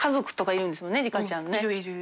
いるいる。